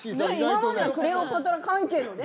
今まではクレオパトラ関係のね